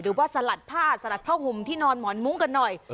สลัดผ้าสลัดผ้าห่มที่นอนหมอนมุ้งกันหน่อย